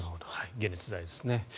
解熱剤ですね。